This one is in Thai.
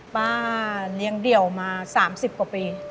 ป้าเลี้ยงเดี่ยวมา๓๐กว่าปี